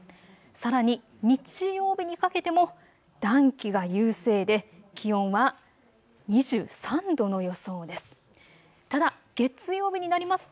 さらに日曜日にかけても暖気が優勢で気温は２３度の予想です。